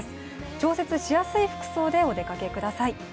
調節しやすい服装でお出かけください。